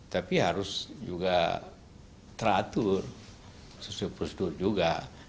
tapi harus juga teratur sesuai prosedur juga